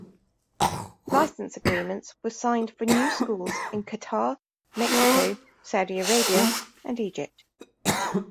Licence agreements were signed for new schools in Qatar, Mexico, Saudi Arabia and Egypt.